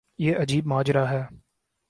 یہ عجیب ماجرا ہے۔